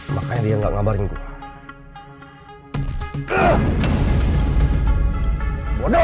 makanya dia nggak ngabarin gue